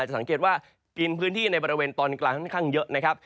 สังเกตว่ากินพื้นที่ในบริเวณตอนกลางค่อนข้างเยอะนะครับ